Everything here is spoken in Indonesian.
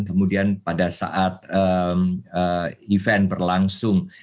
kemudian pada saat event berlangsung